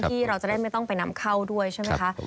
ที่เราจะได้ไม่ต้องไปนำเข้าด้วยใช่ไหมคะ